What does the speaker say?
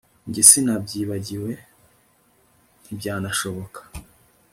Njye sinabyibagiwe ntibyanashoboka